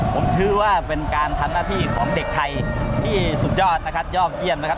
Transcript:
ผมคิดว่าเป็นการทำหน้าที่ของเด็กไทยที่สุดยอดนะครับ